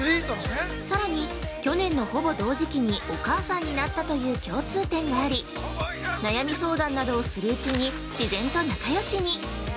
さらに、去年のほぼ同時期にお母さんになったという共通点があり、悩み相談などをするうちに自然と仲良しに。